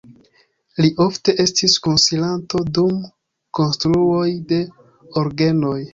Li ofte estis konsilanto dum konstruoj de orgenoj.